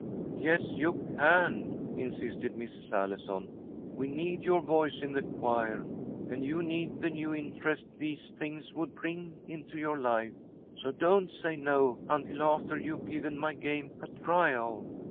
"Yes, you can," insisted Miss Allison. "We need your voice in the choir, and you need the new interest these things would bring into your life. So don't say no until after you've given my game a trial.